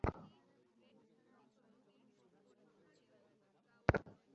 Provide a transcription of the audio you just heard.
ভালোই ফন্দি এঁটেছো, হাহ?